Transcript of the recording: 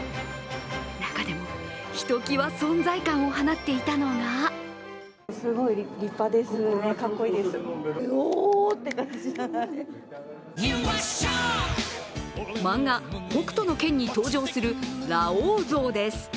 中でも、ひときわ存在感を放っていたのが漫画「北斗の拳」に登場するラオウ像です。